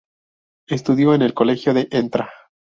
Estudió en el Colegio de Ntra.